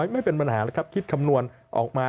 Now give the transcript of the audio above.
ไม่เป็นปัญหาเลยครับคิดคำนวณออกมา